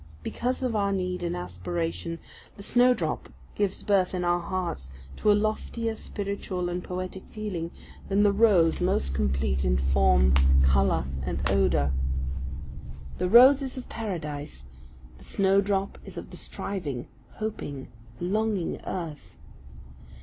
Because of our need and aspiration, the snowdrop gives birth in our hearts to a loftier spiritual and poetic feeling, than the rose most complete in form, colour, and odour. The rose is of Paradise the snowdrop is of the striving, hoping, longing Earth.